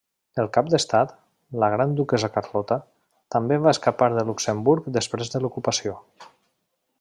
El cap d'Estat, la Gran Duquessa Carlota, també va escapar de Luxemburg després de l'ocupació.